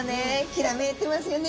きらめいてますよね